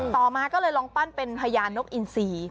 ต่อมาก็เลยลองปั้นเป็นพญานกอินซี